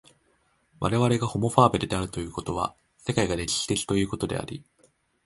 我々がホモ・ファーベルであるということは、世界が歴史的ということであり、